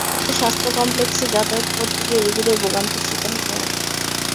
এতে স্বাস্থ্য কমপ্লেক্সে যাতায়াত করতে গিয়ে রোগীদের ভোগান্তির শিকার হতে হয়।